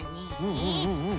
うんうんうんうん。